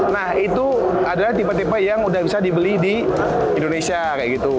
nah itu adalah tipe tipe yang udah bisa dibeli di indonesia kayak gitu